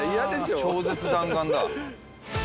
超絶弾丸だ。